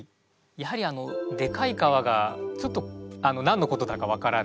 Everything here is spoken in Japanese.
やはりあの「でかい皮」がちょっと何のことだか分からない。